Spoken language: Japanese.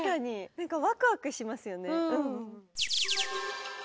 なんかワクワクしますよね。